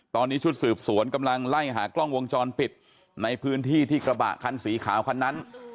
ตอนนี้ชุดสืบสวนกำลังไล่หากล้องวงจรปิดในพื้นที่ที่กระบะคันสีขาวคันนั้น